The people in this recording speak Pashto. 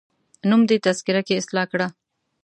نوم دي تذکره کي اصلاح کړه